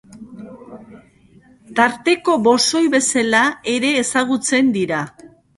Tarteko bosoi bezala ere ezagutzen dira.